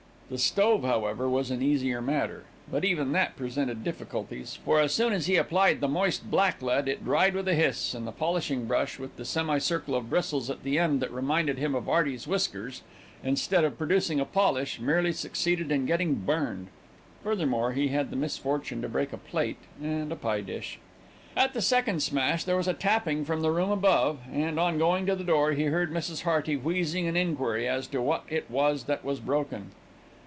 The stove, however, was an easier matter; but even that presented difficulties; for, as soon as he applied the moist blacklead, it dried with a hiss and the polishing brush, with the semi circle of bristles at the end that reminded him of "'Earty's whiskers," instead of producing a polish, merely succeeded in getting burned. Furthermore, he had the misfortune to break a plate and a pie dish. At the second smash, there was a tapping from the room above, and, on going to the door, he heard Mrs. Hearty wheezing an enquiry as to what it was that was broken.